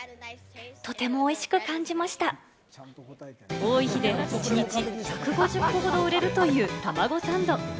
多い日で１日１５０個ほど売れるというたまごサンド。